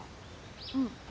うん。